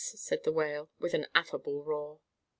said the Whale, with an affable roar.